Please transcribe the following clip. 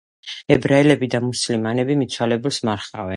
ებრაელები და მუსლიმანები მიცვალებულს მარხავენ.